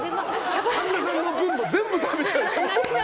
神田さんの分も全部食べちゃうでしょ。